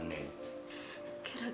kau diye j unlike bae